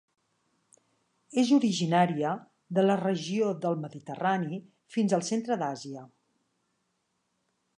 És originària de la regió del Mediterrani fins al centre d'Àsia.